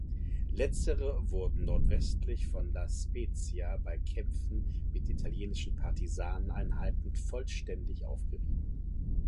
Letztere wurden nordwestlich von La Spezia bei Kämpfen mit italienischen Partisaneneinheiten vollständig aufgerieben.